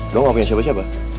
gue ngelakuin siapa siapa